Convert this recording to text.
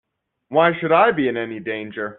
Why should I be in any danger?